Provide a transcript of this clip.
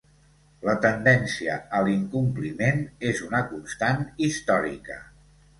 La tendència a l’incompliment és una constant històrica.